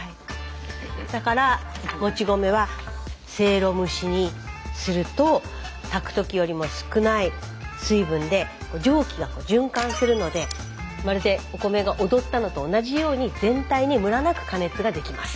だからもち米はせいろ蒸しにすると炊くときよりも少ない水分で蒸気が循環するのでまるでお米がおどったのと同じように全体にムラなく加熱ができます。